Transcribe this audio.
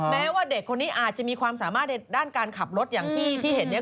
แม้ว่าเด็กคนนี้อาจจะมีความสามารถในด้านการขับรถอย่างที่เห็นเนี่ย